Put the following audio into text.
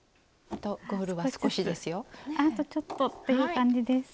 あとちょっとっていう感じです。